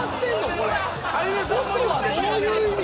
これどういう意味？